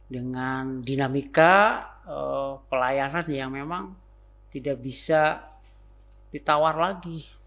dengan dinamika pelayanan yang memang tidak bisa ditawar lagi